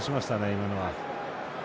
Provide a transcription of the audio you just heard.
今のは。